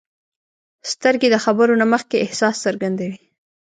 سترګې د خبرو نه مخکې احساس څرګندوي